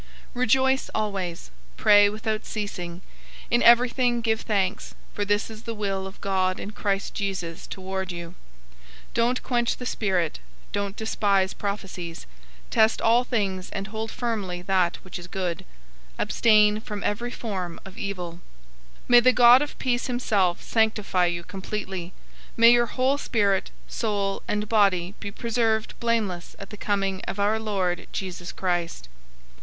005:016 Rejoice always. 005:017 Pray without ceasing. 005:018 In everything give thanks, for this is the will of God in Christ Jesus toward you. 005:019 Don't quench the Spirit. 005:020 Don't despise prophesies. 005:021 Test all things, and hold firmly that which is good. 005:022 Abstain from every form of evil. 005:023 May the God of peace himself sanctify you completely. May your whole spirit, soul, and body be preserved blameless at the coming of our Lord Jesus Christ.